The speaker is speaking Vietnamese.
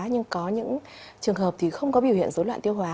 nhưng có những trường hợp thì không có biểu hiện dối loạn tiêu hóa